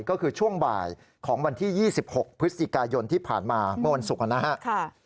ก็คือช่วงบ่ายของวันที่๒๖พฤศจิกายนที่ผ่านมาเมื่อวันศุกร์นะครับ